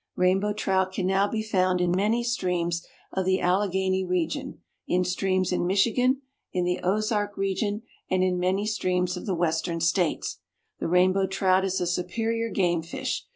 Rainbow Trout can now be found in many streams of the Allegheny region, in streams in Michigan, in the Ozark region and in many streams of the Western States. The Rainbow Trout is a superior game fish.